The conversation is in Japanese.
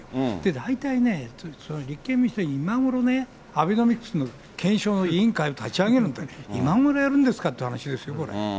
大体ね、立憲民主党は今ごろね、アベノミクスの検証の委員会を立ち上げるなんて、今ごろやるんですかっていう話ですよ、これ。